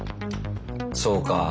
そうか。